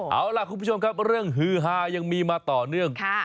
เอาล่ะคุณผู้ชมครับเรื่องฮือฮายังมีมาต่อเนื่อง